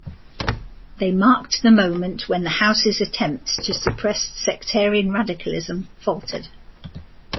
They marked the moment when the house's attempts to suppress sectarian radicalism faltered.